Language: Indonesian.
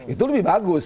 itu lebih bagus